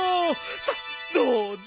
さっどうぞ！